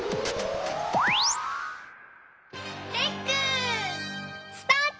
レックスタート！